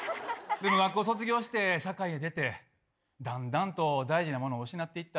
でも学校卒業して、社会に出て、だんだんと大事なものを失っていった。